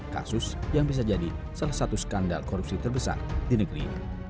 kasus yang bisa jadi salah satu skandal korupsi terbesar di negeri